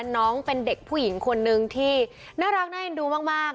น้องเป็นเด็กผู้หญิงคนนึงที่น่ารักน่าเอ็นดูมาก